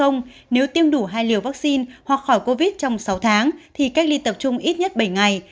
nếu tiêm đủ hai liều vaccine hoặc khỏi covid trong sáu tháng thì cách ly tập trung ít nhất bảy ngày